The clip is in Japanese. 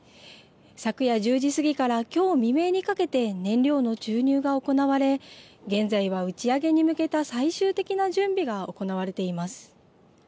昨夜１０時過ぎからきょう未明にかけて、燃料の注入が行われ、現在は打ち上げに向けた最終的な準備が行われています。